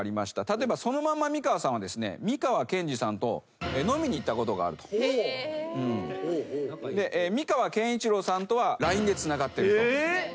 例えばそのまんま美川さんは美川憲二さんと飲みに行ったことがあると。で魅川憲一郎さんとはＬＩＮＥでつながってると。